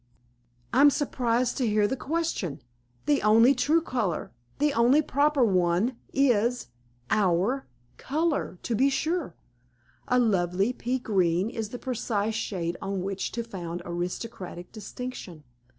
"I'm surprised to hear the question! The only true color the only proper one is our color, to be sure. A lovely pea green is the precise shade on which to found aristocratic distinction.